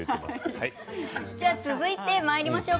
続いてまいりましょう。